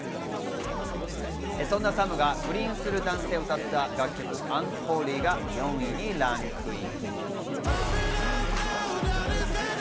そんなサムが不倫する男性を歌った楽曲『Ｕｎｈｏｌｙ』が４位にランクイン。